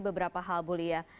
beberapa hal ibu lia